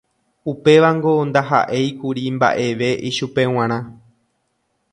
Upévango ndaha'éikuri mba'eve ichupe g̃uarã